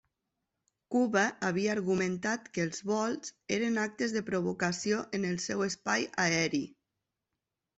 Cuba havia argumentat que els vols eren actes de provocació en el seu espai aeri.